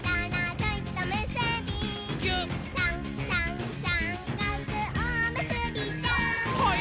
「さんさんさんかくおむすびちゃん」はいっ！